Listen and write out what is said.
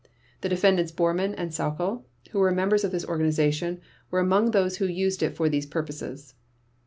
The Defendants Bormann and Sauckel, who were members of this organization, were among those who used it for these purposes.